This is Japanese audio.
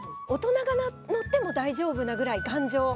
大人が乗っても大丈夫なぐらい頑丈。